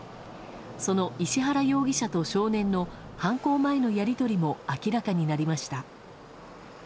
その石原容疑者と少年の犯行前のやり取りも明らかになりました。